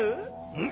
うん。